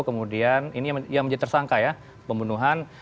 kemudian ini yang menjadi tersangka ya pembunuhan